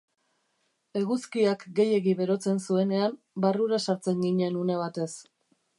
Eguzkiak gehiegi berotzen zuenean, barrura sartzen ginen une batez.